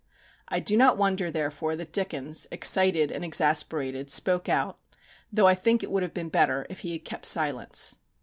I do not wonder, therefore, that Dickens, excited and exasperated, spoke out, though I think it would have been better if he had kept silence.